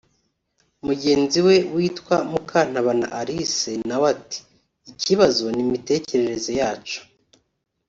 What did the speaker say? Mugenzi we witwa Mukantabana Alice nawe ati “Ikibazo n’imitekerereze yacu